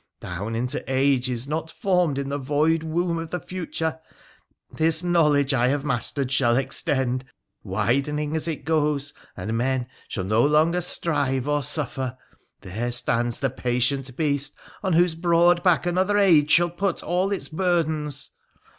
Down, into ages not yet formed in the void womb of the future, this knowledge I have mastered shall extend, widening as it goes, and men shall no longer strive or suffer ; there stands the patient beast on whose broad back another age shall put all its burdens.